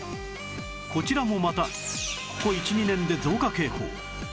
こちらもまたここ１２年で増加傾向